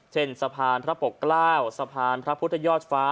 สะพานพระปกเกล้าสะพานพระพุทธยอดฟ้า